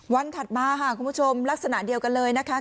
ถัดมาค่ะคุณผู้ชมลักษณะเดียวกันเลยนะคะ